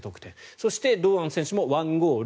そして堂安選手も１ゴール